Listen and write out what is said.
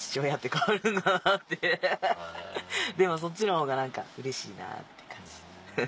でもそっちのほうがうれしいなって感じ。